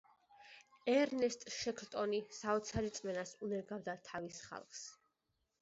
ერნესტ შეკლტონი საოცარ რწმენას უნერგავდა თავის ხალხს.